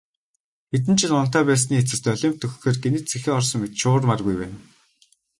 Хэдэн жил унтаа байсны эцэст олимп дөхөхөөр гэнэт сэхээ орсон мэт шуурмааргүй байна.